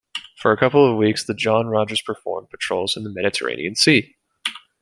For a couple of weeks, the John Rodgers performed patrols in the Mediterranean Sea.